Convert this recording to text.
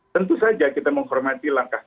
tentu saja kita menghormati langkah